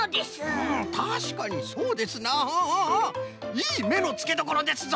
いいめのつけどころですぞ！